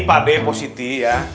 pak d positif ya